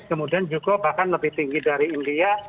kemudian juko bahkan lebih tinggi dari india